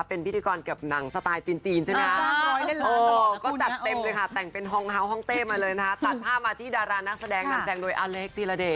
เป็นพิธีกรแบบหนังสไตล์จีนจีนใช่ไหมเอาได้เลย